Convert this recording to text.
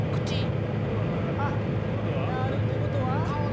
うわあ。ってことは何ですか？ということは？